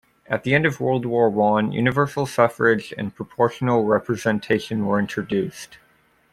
At the end of World War One, universal suffrage and proportional representation were introduced.